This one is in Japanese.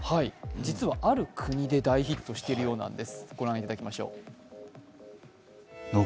実はある国で大ヒットしているようなんです。